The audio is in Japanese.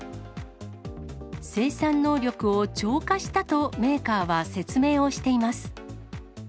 生産能力を超過したと、メーカーは説明をしています。